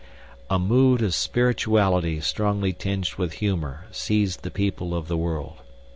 A mood of spirituality strongly tinged with humor seized the people of the world.